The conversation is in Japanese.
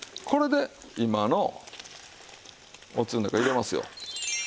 これで今のおつゆの中に入れますよ。